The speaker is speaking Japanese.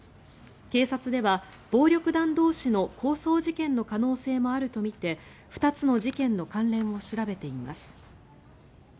警察では、暴力団同士の抗争事件の可能性もあるとみて２つの事件の関連を調べています。